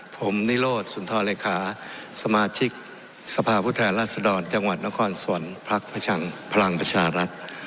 ผมนิโรธสุนทราฬิกาสมาชิกสภาพุทธแหละรัศดรจังหวัดนครสวรรคพระชังพลังประชารัฐ